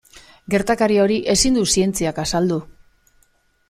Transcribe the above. Gertakari hori ezin du zientziak azaldu.